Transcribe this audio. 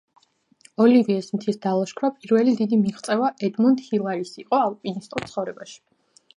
ოლივიეს მთის დალაშქვრა პირველი დიდი მიღწევა ედმუნდ ჰილარის იყო ალპინისტურ ცხოვრებაში.